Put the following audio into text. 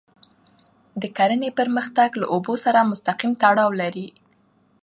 د کرهڼې پرمختګ له اوبو سره مستقیم تړاو لري.